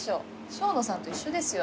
生野さんと一緒ですよ。